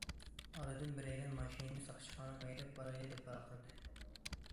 ئارىدىن بىرەيلەن:‹‹ ماشىنىنى ساقچىخانىغا ھەيدەپ بارايلى!›› دەپ ۋارقىرىدى.